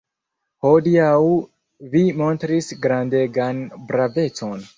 Hodiaŭ vi montris grandegan bravecon.